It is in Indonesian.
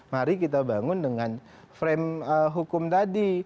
mari kita bangun dengan frame hukum tadi